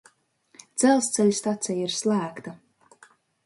Dzelzceļa stacija ir slēgta.